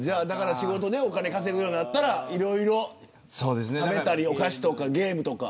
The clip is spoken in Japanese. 仕事で、お金を稼ぐようになったら、いろいろ食べたりお菓子とかゲームとか。